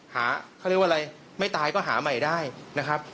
หาเขาเรียกว่าอะไรไม่ตายก็หาใหม่ได้นะครับ